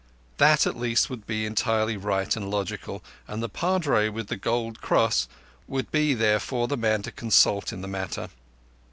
That at least would be entirely right and logical, and the padre with the gold cross would be therefore the man to consult in the matter.